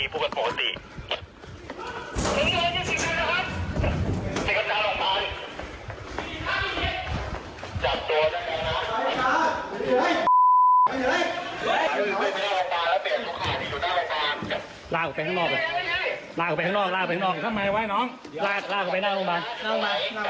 ทำไมไว้น้องล่าเข่ากันไปข้างนอกโรงพยาบาล